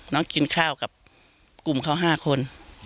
น้องกินข้าวกับกลุ่มเขา๕คน